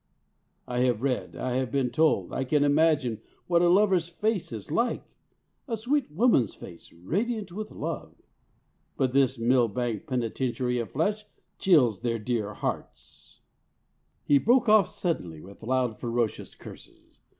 I have read, I have been told, I can imagine what a lover's face is like a sweet woman's face radiant with love. But this Millbank penitentiary of flesh chills their dear hearts." He broke off suddenly, with loud ferocious curses.